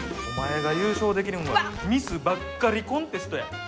お前が優勝できるんはミスばっかりコンテストや。